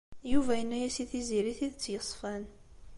Yuba yenna-as i Tiziri tidet yeṣfan.